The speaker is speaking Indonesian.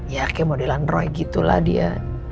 ya kayak model android gitu lah dia